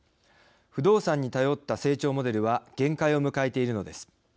不動産に頼った成長モデルは限界を迎えているのです。